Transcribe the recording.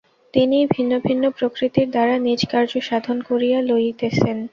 তিনিই ভিন্ন ভিন্ন প্রকৃতির দ্বারা নিজ কার্য সাধন করিয়া লইতেছেন।